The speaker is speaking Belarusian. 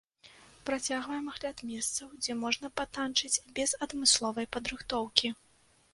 Працягваем агляд месцаў, дзе можна патанчыць без адмысловай падрыхтоўкі.